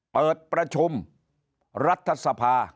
เปิดประชุมรัฐสภา